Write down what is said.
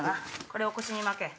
これを腰に巻け。